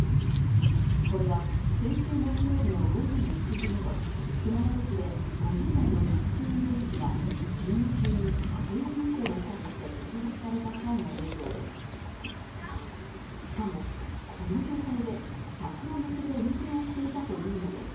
これは先週木曜日の午前１時ごろ、熊本市で５０代のタクシー運転手が勤務中に酒酔い運転をしたとして摘発された際の映像です。